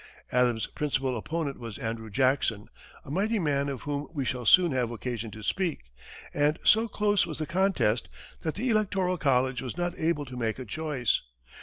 Adams's principal opponent was Andrew Jackson, a mighty man of whom we shall soon have occasion to speak, and so close was the contest that the electoral college was not able to make a choice.